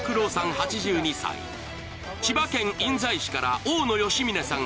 ８２歳千葉県印西市から大野義峯さん